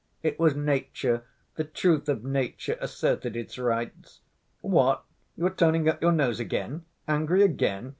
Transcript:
It was nature, the truth of nature asserted its rights! What, you are turning up your nose again? Angry again?